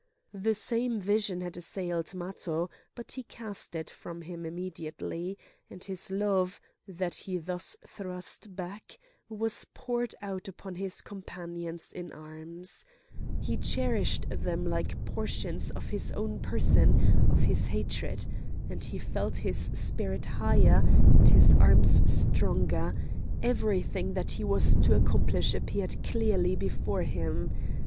The same vision had assailed Matho; but he cast it from him immediately, and his love, that he thus thrust back, was poured out upon his companions in arms. He cherished them like portions of his own person, of his hatred,—and he felt his spirit higher, and his arms stronger; everything that he was to accomplish appeared clearly before him.